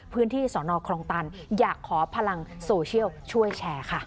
พื้นที่สอนอคลองตันอยากขอพลังโซเชียลช่วยแชร์